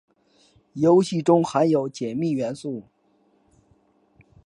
游戏中含有解密元素。